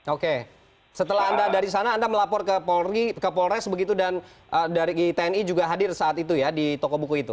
oke setelah anda dari sana anda melapor ke polres begitu dan dari tni juga hadir saat itu ya di toko buku itu